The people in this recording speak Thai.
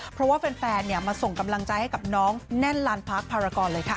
เพราะว่าแฟนมาส่งกำลังใจให้กับน้องแน่นลานพักภารกรเลยค่ะ